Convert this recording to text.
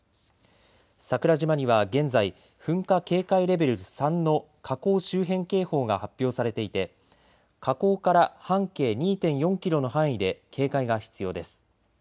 桜島には現在、噴火警戒レベル３の火口周辺警報が発表されていて火口から半径２．４キロの範囲で警戒が必要です。